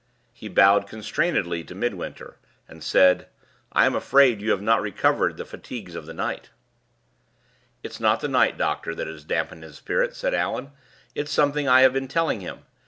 He bowed constrainedly to Midwinter, and said, "I am afraid you have not recovered the fatigues of the night." "It's not the night, doctor, that has damped his spirits," said Allan. "It's something I have been telling him.